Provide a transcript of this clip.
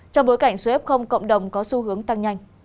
trong bối cảnh số f cộng đồng có xu hướng tăng nhanh